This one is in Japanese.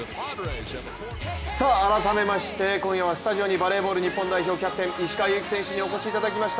改めまして今夜はスタジオに日本代表キャプテン・石川祐希選手にお越しいただきました。